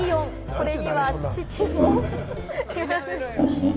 これには父も。